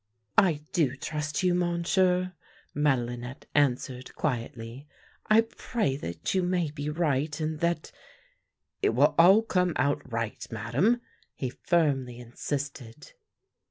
" I do trust you. Monsieur," Madelinette answered quietly. " I pray that you may be right, and that "" It will all come out right, Madame," he firmly in sisted.